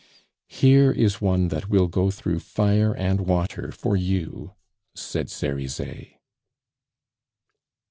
"Here is one that will go through fire and water for you," said Cerizet.